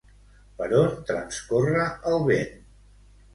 Per on transcorre el vent?